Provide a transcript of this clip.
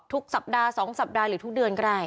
สัปดาห์๒สัปดาห์หรือทุกเดือนก็ได้